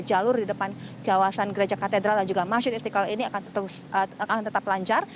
jalur di depan kawasan gereja katedral dan juga masjid istiqlal ini akan tetap lancar